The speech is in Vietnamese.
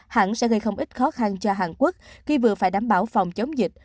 hãng sẽ gây không ít khó khăn cho hàn quốc khi vừa phải đảm bảo phòng chống dịch